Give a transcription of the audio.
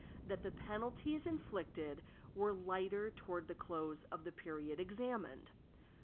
(5.) That the penalties inflicted were lighter toward the close of the period examined.